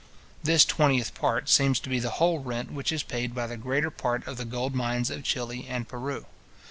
This twentieth part seems to be the whole rent which is paid by the greater part of the gold mines of Chili and Peru.